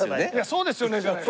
「そうですよね」じゃねえ。